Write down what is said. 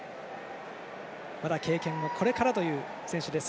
まだ経験はこれからという選手。